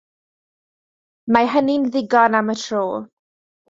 Mae hynny'n ddigon am y tro.